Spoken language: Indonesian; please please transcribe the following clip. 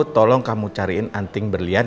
tolong kamu cariin anting berlian